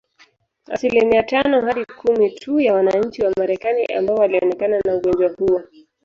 Asilimia tano hadi kumi tu ya wananchi wa Marekani ambao walionekana na ugonjwa huo